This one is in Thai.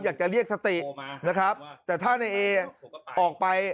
อยากจะเรียกสตินะครับแต่ถ้าในเอออกไป